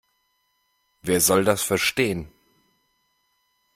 Wer soll das verstehen?